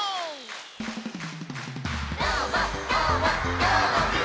「どーもどーもどーもくん！」